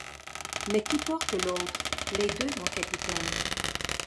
Mais qui porte l’autre ? Les deux, mon capitaine !